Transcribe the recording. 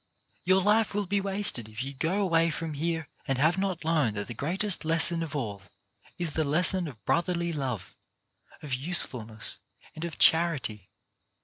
Your life will be wasted if you go away from here and have not learned that the greatest lesson of all is the lesson of brotherly love, of usefulness and of charity.